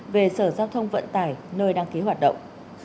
về sở giao thông vận tải nơi đăng ký hoạt động